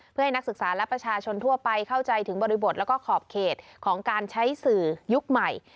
เพื่อให้นักศึกษาและประชาชนทั่วไปเข้าใจถึงบริบทแล้วก็ขอบเขตของการใช้สื่อยุคใหม่